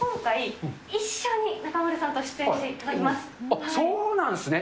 あっ、そうなんですか。